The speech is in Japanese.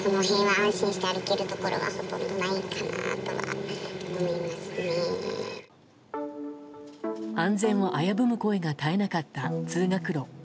安全を危ぶむ声が絶えなかった通学路。